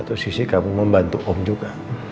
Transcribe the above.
satu sisi kamu membantu om juga